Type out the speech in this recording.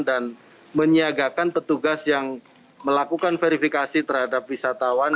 dan menyiagakan petugas yang melakukan verifikasi terhadap wisatawan